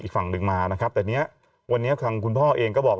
อีกฝั่งนึงมานะครับแต่วันนี้คุณพ่อเองก็บอก